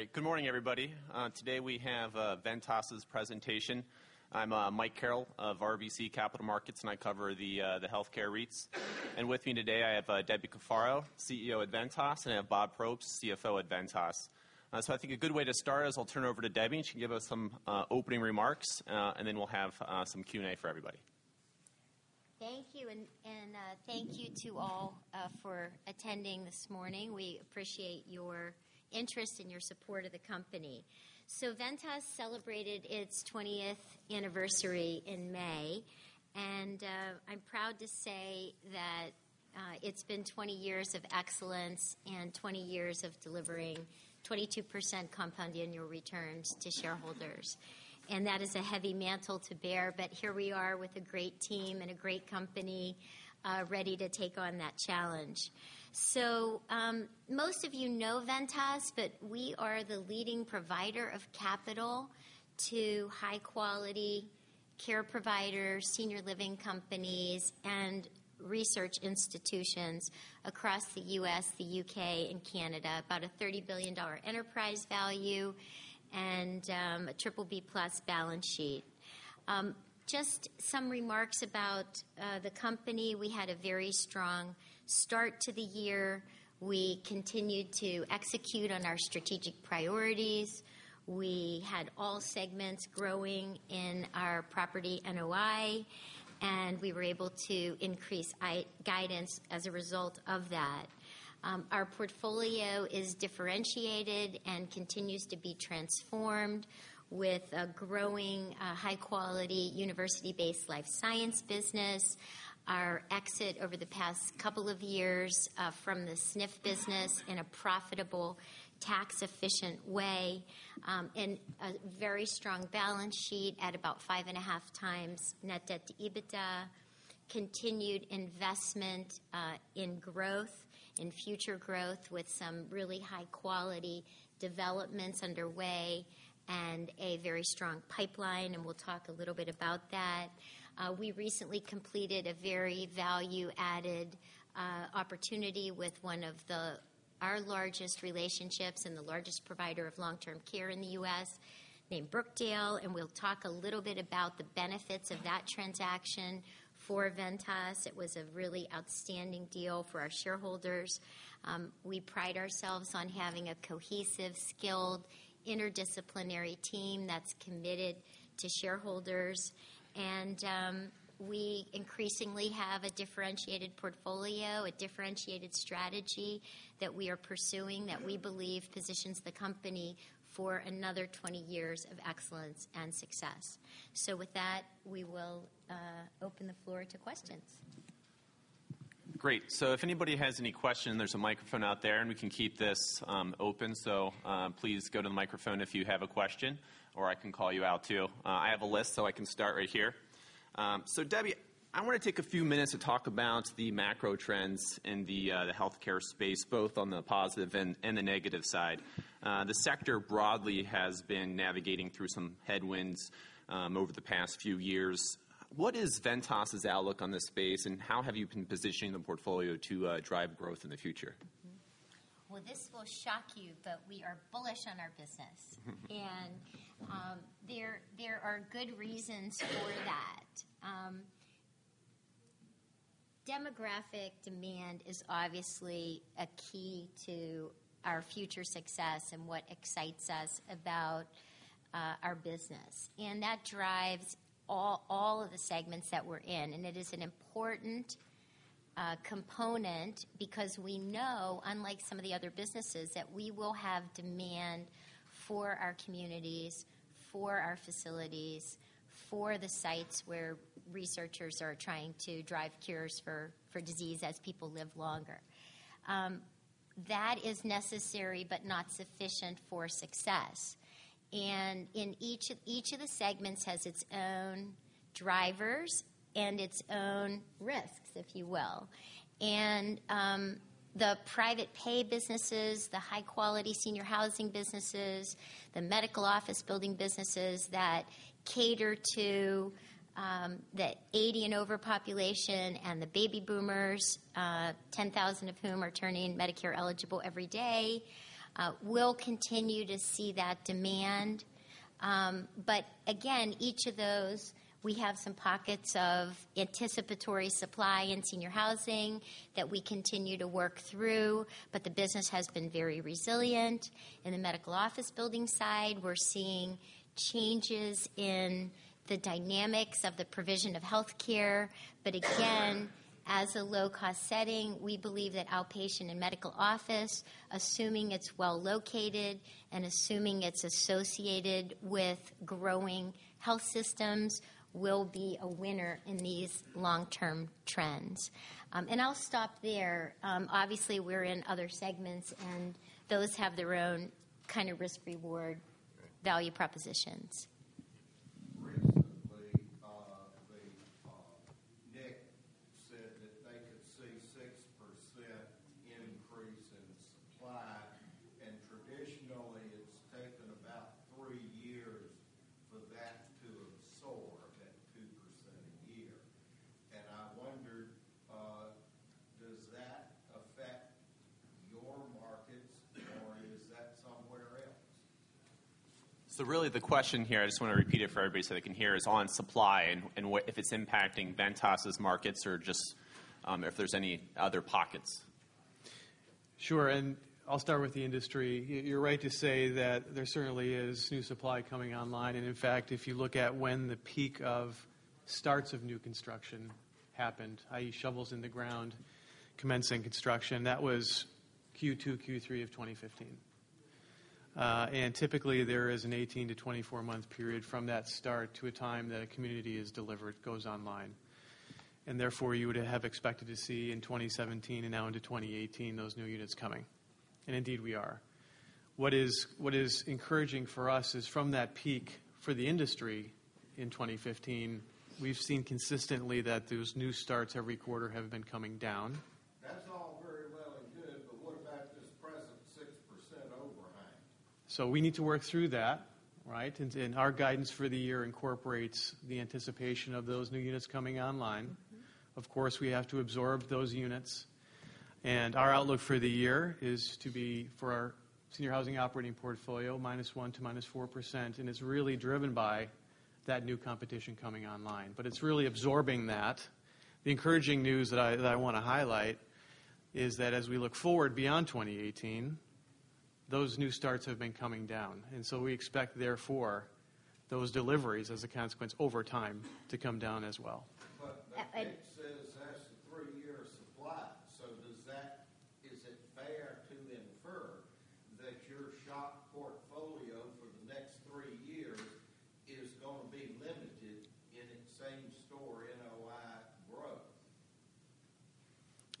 All right, good morning, everybody. Today we have Ventas's presentation. I'm Michael Carroll of RBC Capital Markets, and I cover the healthcare REITs. And with me today, I have Debbie Cafaro, CEO at Ventas, and I have Robert Probst, CFO at Ventas. So I think a good way to start is I'll turn it over to Debbie, and she can give us some opening remarks, and then we'll have some Q&A for everybody. Thank you, and thank you to all for attending this morning. We appreciate your interest and your support of the company. So Ventas celebrated its 20th anniversary in May, and I'm proud to say that it's been 20 years of excellence and 20 years of delivering 22% compound annual returns to shareholders. And that is a heavy mantle to bear, but here we are with a great team and a great company ready to take on that challenge. So most of you know Ventas, but we are the leading provider of capital to high-quality care providers, senior living companies, and research institutions across the U.S., the U.K., and Canada, about a $30 billion enterprise value and a BBB+ balance sheet. Just some remarks about the company: we had a very strong start to the year. We continued to execute on our strategic priorities. We had all segments growing in our property NOI, and we were able to increase guidance as a result of that. Our portfolio is differentiated and continues to be transformed with a growing high-quality university-based life science business, our exit over the past couple of years from the SNF business in a profitable, tax-efficient way, and a very strong balance sheet at about five and a half times net debt to EBITDA, continued investment in growth and future growth with some really high-quality developments underway, and a very strong pipeline, and we'll talk a little bit about that. We recently completed a very value-added opportunity with one of our largest relationships and the largest provider of long-term care in the U.S., named Brookdale, and we'll talk a little bit about the benefits of that transaction for Ventas. It was a really outstanding deal for our shareholders. We pride ourselves on having a cohesive, skilled, interdisciplinary team that's committed to shareholders, and we increasingly have a differentiated portfolio, a differentiated strategy that we are pursuing that we believe positions the company for another 20 years of excellence and success. So with that, we will open the floor to questions. Great. So if anybody has any questions, there's a microphone out there, and we can keep this open, so please go to the microphone if you have a question, or I can call you out too. I have a list, so I can start right here. So Debbie, I want to take a few minutes to talk about the macro trends in the healthcare space, both on the positive and the negative side. The sector broadly has been navigating through some headwinds over the past few years. What is Ventas's outlook on this space, and how have you been positioning the portfolio to drive growth in the future? This will shock you, but we are bullish on our business, and there are good reasons for that. Demographic demand is obviously a key to our future success and what excites us about our business, and that drives all of the segments that we're in, and it is an important component because we know, unlike some of the other businesses, that we will have demand for our communities, for our facilities, for the sites where researchers are trying to drive cures for disease as people live longer. That is necessary but not sufficient for success, and each of the segments has its own drivers and its own risks, if you will. And the private pay businesses, the high-quality senior housing businesses, the medical office building businesses that cater to the 80 and over population and the baby boomers, 10,000 of whom are turning Medicare eligible every day, will continue to see that demand. But again, each of those, we have some pockets of anticipatory supply in senior housing that we continue to work through, but the business has been very resilient. In the medical office building side, we're seeing changes in the dynamics of the provision of healthcare, but again, as a low-cost setting, we believe that outpatient and medical office, assuming it's well located and assuming it's associated with growing health systems, will be a winner in these long-term trends. And I'll stop there. Obviously, we're in other segments, and those have their own kind of risk-reward value propositions. Recently, NIC said that they could see 6% increase in supply, and traditionally, it's taken about three years for that to absorb at 2% a year. And I wondered, does that affect your markets, or is that somewhere else? So really, the question here, I just want to repeat it for everybody so they can hear, is on supply and if it's impacting Ventas's markets or just if there's any other pockets. Sure, and I'll start with the industry. You're right to say that there certainly is new supply coming online, and in fact, if you look at when the peak of starts of new construction happened, i.e., shovels in the ground, commencing construction, that was Q2, Q3 of 2015. And typically, there is an 18- to 24-month period from that start to a time that a community is delivered, goes online. And therefore, you would have expected to see in 2017 and now into 2018 those new units coming, and indeed we are. What is encouraging for us is from that peak for the industry in 2015, we've seen consistently that those new starts every quarter have been coming down. That's all very well and good, but what about this present 6% overhang? So we need to work through that, right? And our guidance for the year incorporates the anticipation of those new units coming online. Of course, we have to absorb those units, and our outlook for the year is to be for our senior housing operating portfolio -1% to -4%, and it's really driven by that new competition coming online. But it's really absorbing that. The encouraging news that I want to highlight is that as we look forward beyond 2018,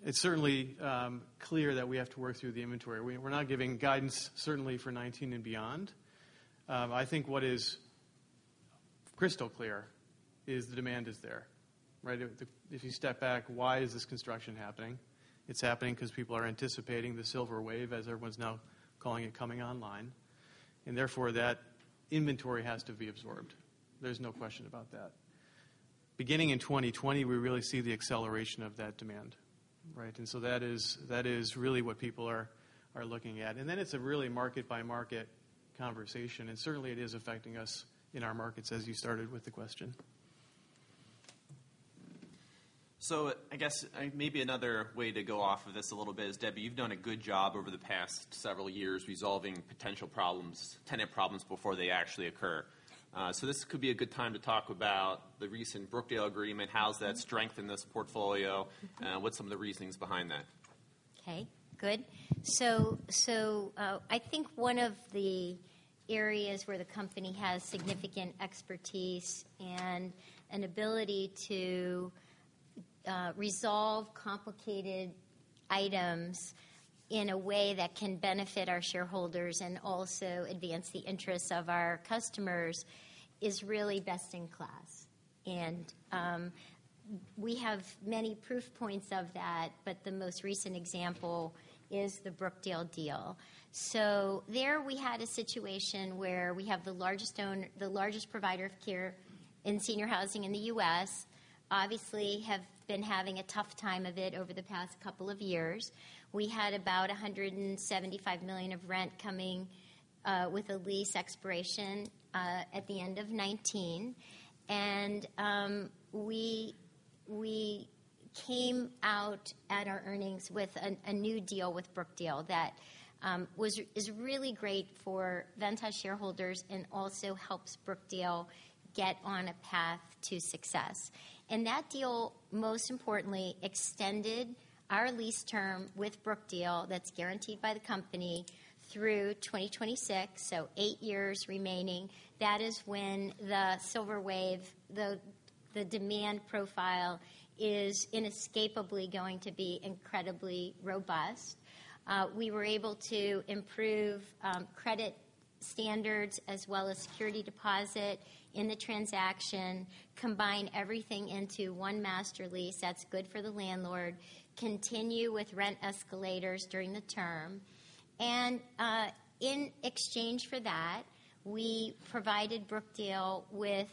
It's certainly clear that we have to work through the inventory. We're not giving guidance, certainly for 2019 and beyond. I think what is crystal clear is the demand is there, right? If you step back, why is this construction happening? It's happening because people are anticipating the silver wave, as everyone's now calling it, coming online, and therefore that inventory has to be absorbed. There's no question about that. Beginning in 2020, we really see the acceleration of that demand, right? And so that is really what people are looking at. And then it's a really market-by-market conversation, and certainly it is affecting us in our markets, as you started with the question. So, I guess maybe another way to go off of this a little bit is, Debbie, you've done a good job over the past several years resolving potential problems, tenant problems, before they actually occur. So, this could be a good time to talk about the recent Brookdale agreement. How's that strengthened this portfolio, and what's some of the reasons behind that? Okay, good. So I think one of the areas where the company has significant expertise and an ability to resolve complicated items in a way that can benefit our shareholders and also advance the interests of our customers is really best in class. And we have many proof points of that, but the most recent example is the Brookdale deal. So there we had a situation where we have the largest provider of care in senior housing in the U.S., obviously have been having a tough time of it over the past couple of years. We had about $175 million of rent coming with a lease expiration at the end of 2019, and we came out at our earnings with a new deal with Brookdale that is really great for Ventas shareholders and also helps Brookdale get on a path to success. And that deal, most importantly, extended our lease term with Brookdale that's guaranteed by the company through 2026, so eight years remaining. That is when the Silver wave, the demand profile is inescapably going to be incredibly robust. We were able to improve credit standards as well as security deposit in the transaction, combine everything into one master lease that's good for the landlord, continue with rent escalators during the term. And in exchange for that, we provided Brookdale with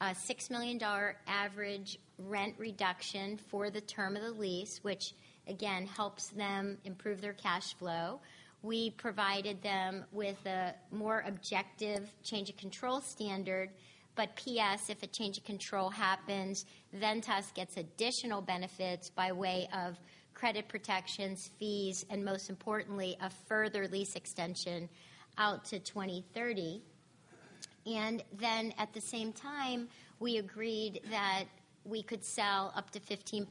a $6 million average rent reduction for the term of the lease, which again helps them improve their cash flow. We provided them with a more objective change of control standard, but PS, if a change of control happens, Ventas gets additional benefits by way of credit protections, fees, and most importantly, a further lease extension out to 2030. And then at the same time, we agreed that we could sell up to 15%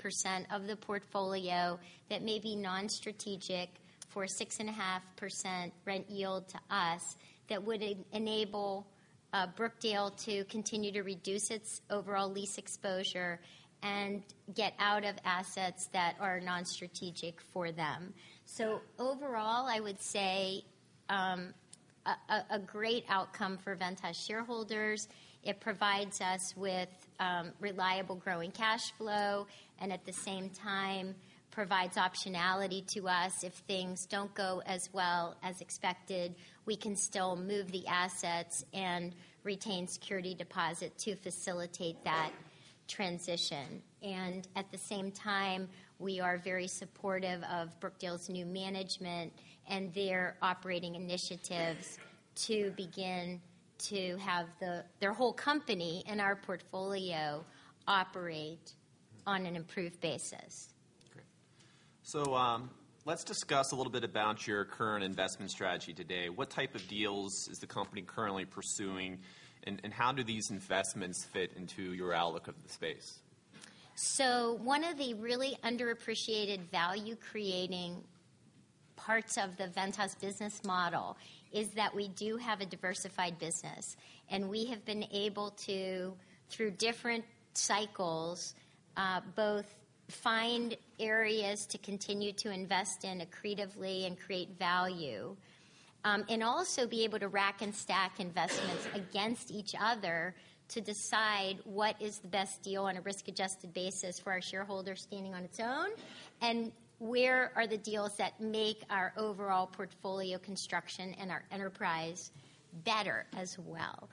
of the portfolio that may be non-strategic for 6.5% rent yield to us that would enable Brookdale to continue to reduce its overall lease exposure and get out of assets that are non-strategic for them. So overall, I would say a great outcome for Ventas shareholders. It provides us with reliable growing cash flow and at the same time provides optionality to us. If things don't go as well as expected, we can still move the assets and retain security deposit to facilitate that transition. And at the same time, we are very supportive of Brookdale's new management and their operating initiatives to begin to have their whole company and our portfolio operate on an improved basis. Great. So let's discuss a little bit about your current investment strategy today. What type of deals is the company currently pursuing, and how do these investments fit into your outlook of the space? One of the really underappreciated value-creating parts of the Ventas business model is that we do have a diversified business, and we have been able to, through different cycles, both find areas to continue to invest in accretively and create value, and also be able to rack and stack investments against each other to decide what is the best deal on a risk-adjusted basis for our shareholders standing on its own and where are the deals that make our overall portfolio construction and our enterprise better as well.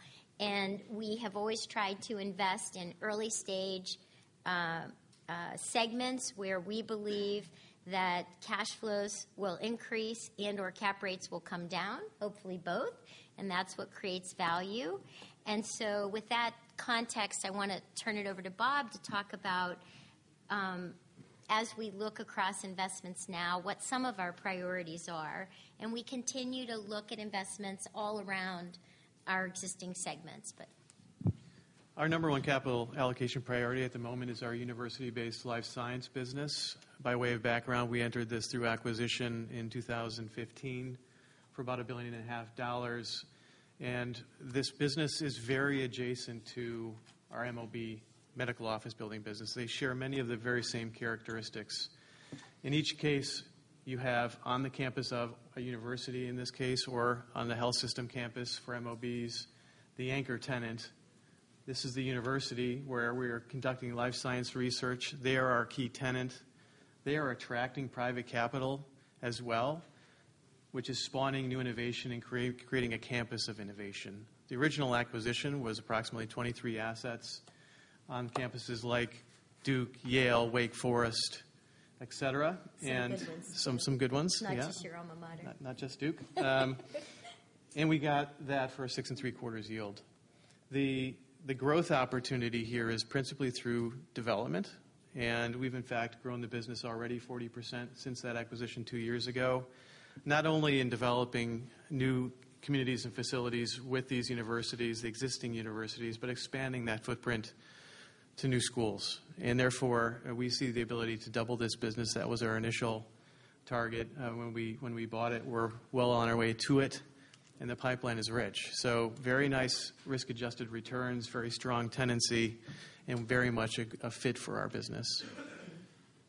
We have always tried to invest in early-stage segments where we believe that cash flows will increase and/or cap rates will come down, hopefully both, and that's what creates value. And so with that context, I want to turn it over to Bob to talk about, as we look across investments now, what some of our priorities are, and we continue to look at investments all around our existing segments, but. Our number one capital allocation priority at the moment is our university-based life science business. By way of background, we entered this through acquisition in 2015 for about $1.5 billion, and this business is very adjacent to our MOB medical office building business. They share many of the very same characteristics. In each case, you have on the campus of a university, in this case, or on the health system campus for MOBs, the anchor tenant. This is the university where we are conducting life science research. They are our key tenant. They are attracting private capital as well, which is spawning new innovation and creating a campus of innovation. The original acquisition was approximately 23 assets on campuses like Duke, Yale, Wake Forest, etc., and some good ones. Not just your alma mater. Not just Duke. And we got that for a six and three-quarters yield. The growth opportunity here is principally through development, and we've, in fact, grown the business already 40% since that acquisition two years ago, not only in developing new communities and facilities with these universities, the existing universities, but expanding that footprint to new schools. And therefore, we see the ability to double this business. That was our initial target when we bought it. We're well on our way to it, and the pipeline is rich. So very nice risk-adjusted returns, very strong tenancy, and very much a fit for our business.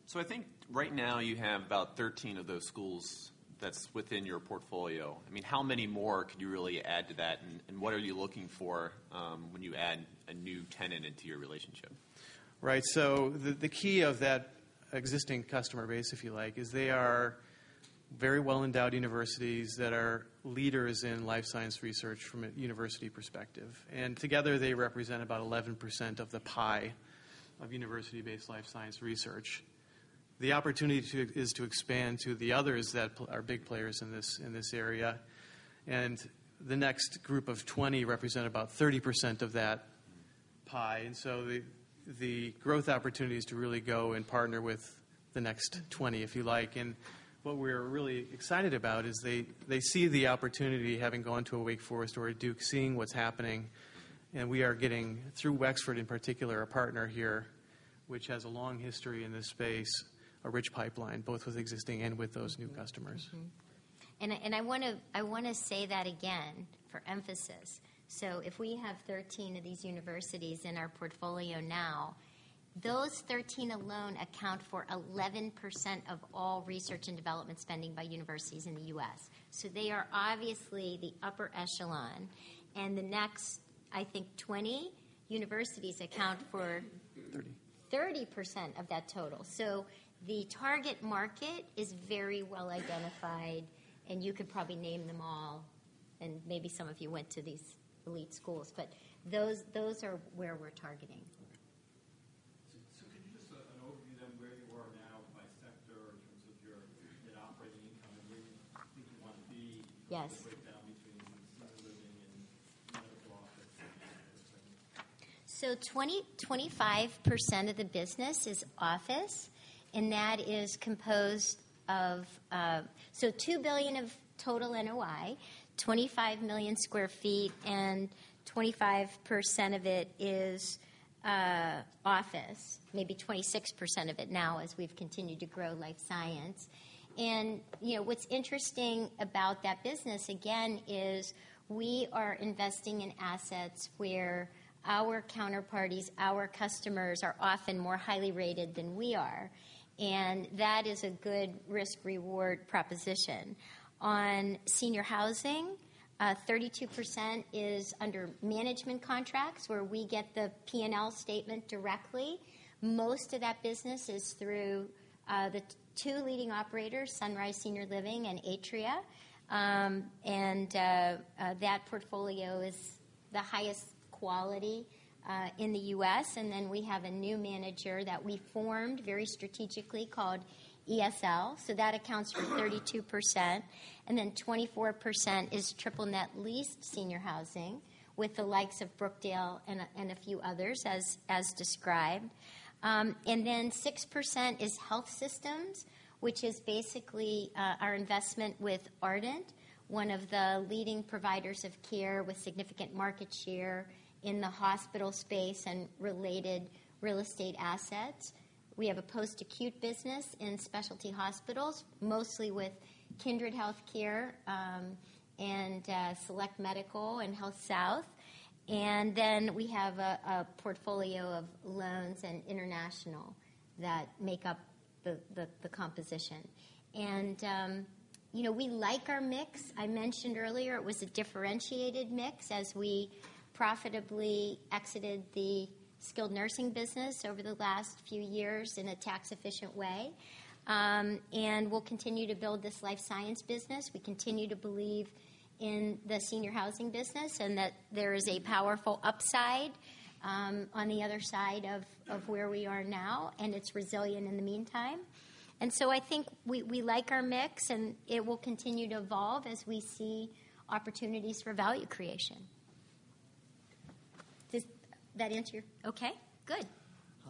So I think right now you have about 13 of those schools that's within your portfolio. I mean, how many more could you really add to that, and what are you looking for when you add a new tenant into your relationship? Right, so the key of that existing customer base, if you like, is they are very well-endowed universities that are leaders in life science research from a university perspective. And together, they represent about 11% of the pie of university-based life science research. The opportunity is to expand to the others that are big players in this area, and the next group of 20 represent about 30% of that pie. And so the growth opportunity is to really go and partner with the next 20, if you like. And what we're really excited about is they see the opportunity, having gone to a Wake Forest or a Duke, seeing what's happening, and we are getting, through Wexford in particular, a partner here, which has a long history in this space, a rich pipeline, both with existing and with those new customers. And I want to say that again for emphasis. So if we have 13 of these universities in our portfolio now, those 13 alone account for 11% of all research and development spending by universities in the U.S. So they are obviously the upper echelon, and the next, I think, 20 universities account for 30% of that total. So the target market is very well identified, and you could probably name them all, and maybe some of you went to these elite schools, but those are where we're targeting. Could you just an overview then where you are now by sector in terms of your net operating income and where you think you want to be, breakdown between senior living and medical office? 25% of the business is office, and that is composed of $2 billion of total NOI, 25 million sq ft, and 25% of it is office, maybe 26% of it now as we've continued to grow life science. What's interesting about that business, again, is we are investing in assets where our counterparties, our customers, are often more highly rated than we are, and that is a good risk-reward proposition. On senior housing, 32% is under management contracts where we get the P&L statement directly. Most of that business is through the two leading operators, Sunrise Senior Living and Atria, and that portfolio is the highest quality in the U.S. Then we have a new manager that we formed very strategically called ESL, so that accounts for 32%. And then 24% is triple-net lease senior housing with the likes of Brookdale and a few others as described. And then 6% is health systems, which is basically our investment with Ardent, one of the leading providers of care with significant market share in the hospital space and related real estate assets. We have a post-acute business in specialty hospitals, mostly with Kindred Healthcare and Select Medical and HealthSouth. And then we have a portfolio of loans and international that make up the composition. And we like our mix. I mentioned earlier it was a differentiated mix as we profitably exited the skilled nursing business over the last few years in a tax-efficient way. And we'll continue to build this life science business. We continue to believe in the senior housing business and that there is a powerful upside on the other side of where we are now, and it's resilient in the meantime. And so I think we like our mix, and it will continue to evolve as we see opportunities for value creation. Does that answer you? Okay, good.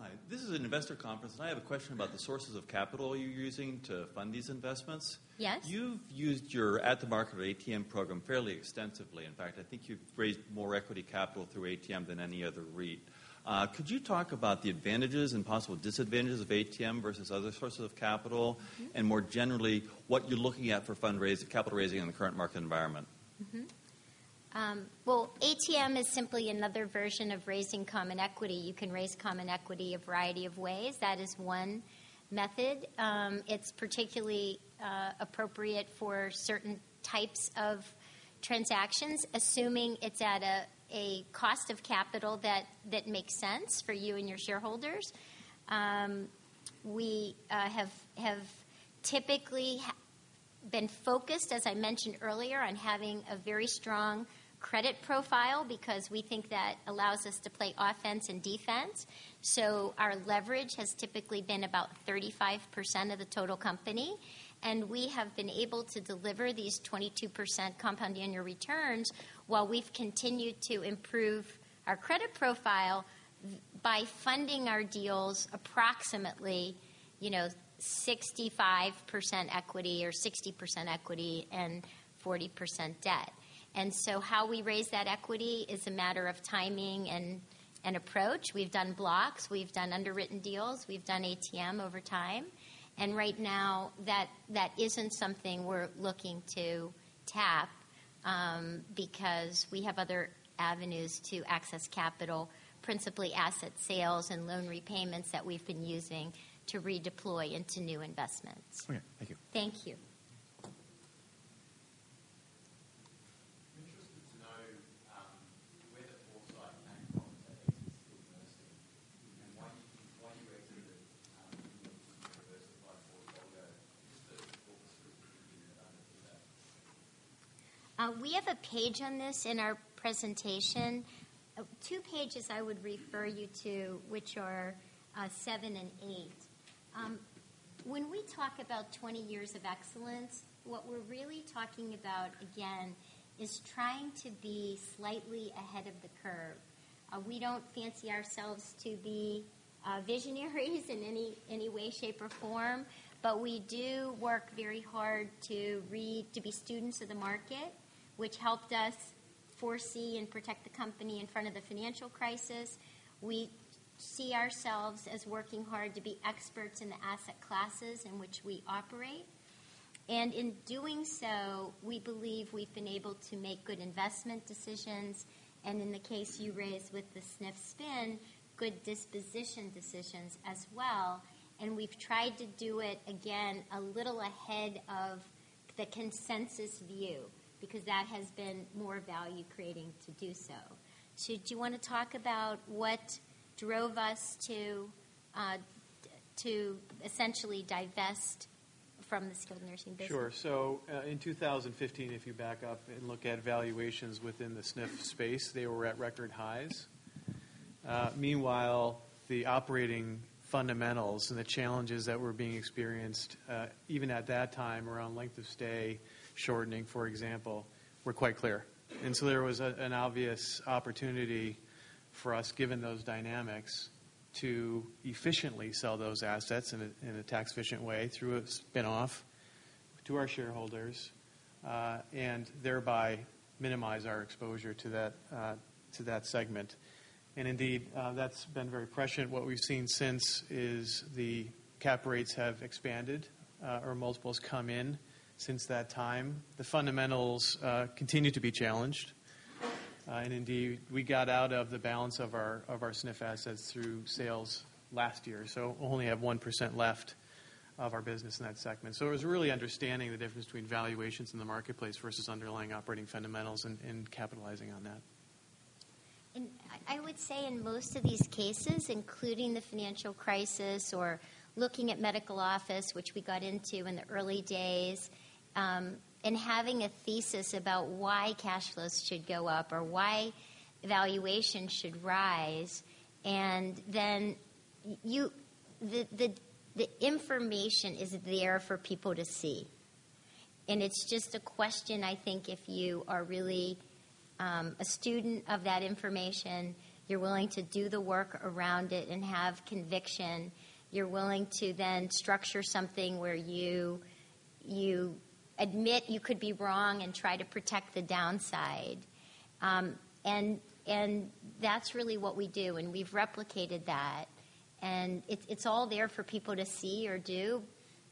Hi, this is an investor conference, and I have a question about the sources of capital you're using to fund these investments. Yes. You've used your at-the-market or ATM program fairly extensively. In fact, I think you've raised more equity capital through ATM than any other REIT. Could you talk about the advantages and possible disadvantages of ATM versus other sources of capital, and more generally what you're looking at for fundraising, capital raising in the current market environment? ATM is simply another version of raising common equity. You can raise common equity a variety of ways. That is one method. It's particularly appropriate for certain types of transactions, assuming it's at a cost of capital that makes sense for you and your shareholders. We have typically been focused, as I mentioned earlier, on having a very strong credit profile because we think that allows us to play offense and defense. Our leverage has typically been about 35% of the total company, and we have been able to deliver these 22% compound annual returns while we've continued to improve our credit profile by funding our deals approximately 65% equity or 60% equity and 40% debt. How we raise that equity is a matter of timing and approach. We've done blocks. We've done underwritten deals. We've done ATM over time. Right now, that isn't something we're looking to tap because we have other avenues to access capital, principally asset sales and loan repayments that we've been using to redeploy into new investments. Okay, thank you. Thank you. I'm interested to know where the foresight came from to invest in university and why you exited the university-based portfolio. Just to walk us through a bit about the feedback. We have a page on this in our presentation, two pages I would refer you to, which are seven and eight. When we talk about 20 years of excellence, what we're really talking about, again, is trying to be slightly ahead of the curve. We don't fancy ourselves to be visionaries in any way, shape, or form, but we do work very hard to be students of the market, which helped us foresee and protect the company in front of the financial crisis. We see ourselves as working hard to be experts in the asset classes in which we operate, and in doing so, we believe we've been able to make good investment decisions and, in the case you raised with the SNF spin, good disposition decisions as well. We've tried to do it, again, a little ahead of the consensus view because that has been more value-creating to do so. Do you want to talk about what drove us to essentially divest from the skilled nursing business? Sure. So in 2015, if you back up and look at valuations within the SNF space, they were at record highs. Meanwhile, the operating fundamentals and the challenges that were being experienced even at that time around length of stay shortening, for example, were quite clear, and so there was an obvious opportunity for us, given those dynamics, to efficiently sell those assets in a tax-efficient way through a spin-off to our shareholders and thereby minimize our exposure to that segment. And indeed, that's been very prescient. What we've seen since is the cap rates have expanded or multiples come in since that time. The fundamentals continue to be challenged, and indeed, we got out of the balance of our SNF assets through sales last year, so only have 1% left of our business in that segment. So it was really understanding the difference between valuations in the marketplace versus underlying operating fundamentals and capitalizing on that. And I would say in most of these cases, including the financial crisis or looking at medical office, which we got into in the early days, and having a thesis about why cash flows should go up or why valuation should rise, and then the information is there for people to see. And it's just a question, I think, if you are really a student of that information, you're willing to do the work around it and have conviction, you're willing to then structure something where you admit you could be wrong and try to protect the downside. And that's really what we do, and we've replicated that. And it's all there for people to see or do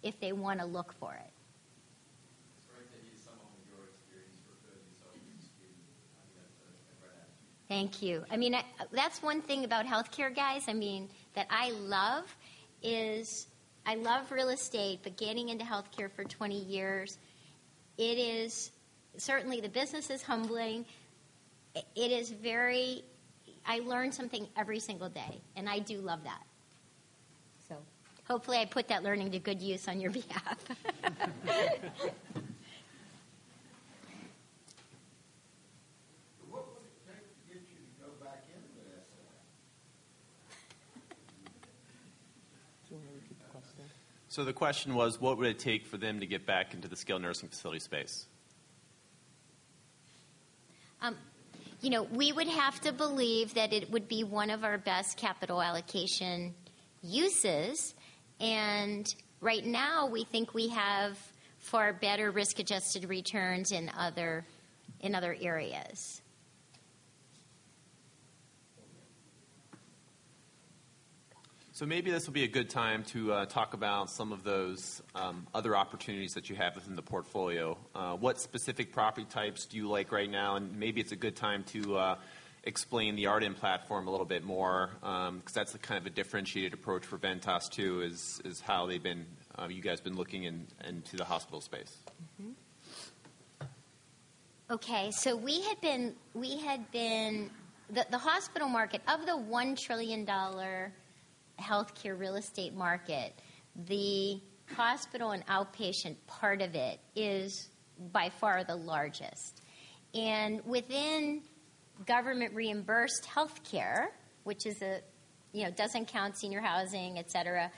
if they want to look for it. It's great to hear some of your experience for 30, so I'm excited to have that. Thank you. I mean, that's one thing about healthcare, guys. I mean, that I love is I love real estate, but getting into healthcare for 20 years, it is certainly the business is humbling. It is very I learn something every single day, and I do love that. So hopefully I put that learning to good use on your behalf. What would it take to get you to go back into the SNF? So the question was, what would it take for them to get back into the skilled nursing facility space? You know, we would have to believe that it would be one of our best capital allocation uses. And right now, we think we have far better risk-adjusted returns in other areas. So maybe this will be a good time to talk about some of those other opportunities that you have within the portfolio. What specific property types do you like right now? And maybe it's a good time to explain the Ardent platform a little bit more because that's kind of a differentiated approach for Ventas too, is how you guys have been looking into the hospital space. Okay. So we had been the hospital market of the $1 trillion healthcare real estate market. The hospital and outpatient part of it is by far the largest. And within government-reimbursed healthcare, which doesn't count senior housing, etc.,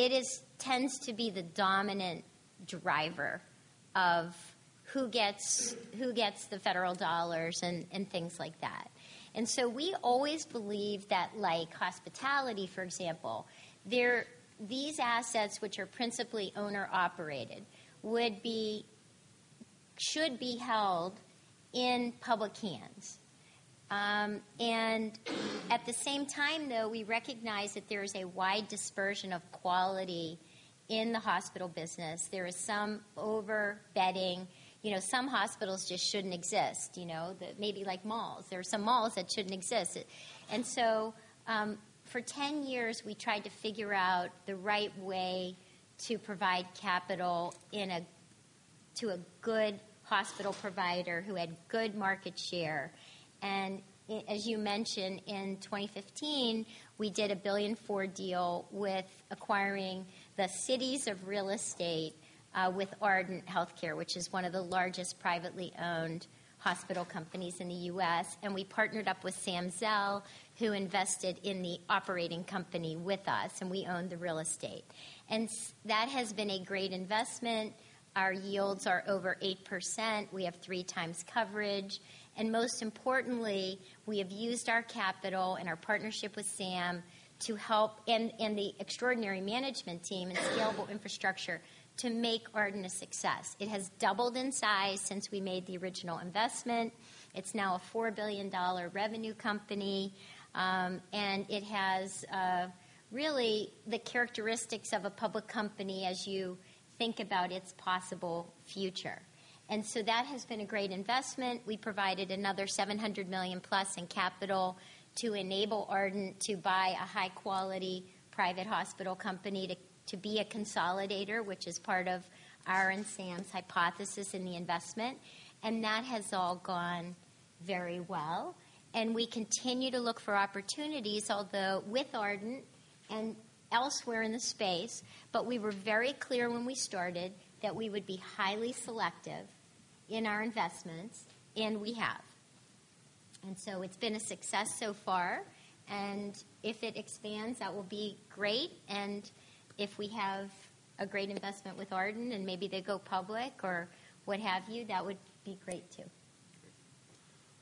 it tends to be the dominant driver of who gets the federal dollars and things like that. And so we always believe that, like hospitality, for example, these assets, which are principally owner-operated, should be held in public hands. And at the same time, though, we recognize that there is a wide dispersion of quality in the hospital business. There is some overbedding. Some hospitals just shouldn't exist, maybe like malls. There are some malls that shouldn't exist. And so for 10 years, we tried to figure out the right way to provide capital to a good hospital provider who had good market share. As you mentioned, in 2015, we did a $1.4 billion deal with acquiring the real estate with Ardent Health Services, which is one of the largest privately owned hospital companies in the U.S. We partnered up with Sam Zell, who invested in the operating company with us, and we owned the real estate. That has been a great investment. Our yields are over 8%. We have three times coverage. Most importantly, we have used our capital and our partnership with Sam to help the extraordinary management team and scalable infrastructure to make Ardent a success. It has doubled in size since we made the original investment. It's now a $4 billion revenue company, and it has really the characteristics of a public company as you think about its possible future. So that has been a great investment. We provided another $700 million-plus in capital to enable Ardent to buy a high-quality private hospital company to be a consolidator, which is part of our and Sam's hypothesis in the investment. And that has all gone very well. And we continue to look for opportunities, although with Ardent and elsewhere in the space, but we were very clear when we started that we would be highly selective in our investments, and we have. And so it's been a success so far. And if it expands, that will be great. And if we have a great investment with Ardent and maybe they go public or what have you, that would be great too.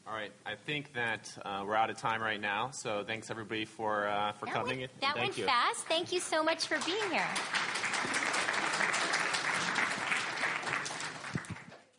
All right. I think that we're out of time right now. So thanks, everybody, for coming. That went fast. Thank you so much for being here.